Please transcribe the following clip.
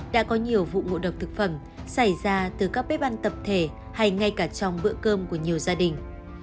đã có nhiều vụ ngộ độc thực phẩm xảy ra từ các bếp ăn tập thể hay ngay cả trong bữa cơm của nhiều gia đình